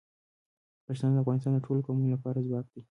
پښتانه د افغانستان د ټولو قومونو لپاره ځواک دي.